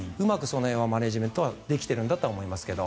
その辺はマネジメントはできているんだとは思いますけど。